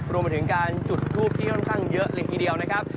รวมไปถึงการจุดทูปที่ค่อนข้างเยอะเลยทีเดียวนะครับ